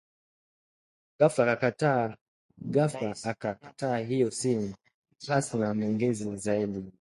Ghafla akakata hiyo simu pasi na maongezi zaidi